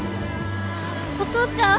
お父ちゃん？